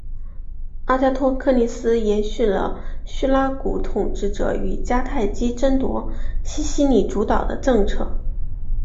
阿加托克利斯延续了叙拉古统治者与迦太基争夺西西里主导的政策。